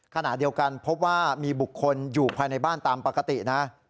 ขณะเดียวกันพบว่ามีบุคคลอยู่ภายในบ้านตามปกตินะ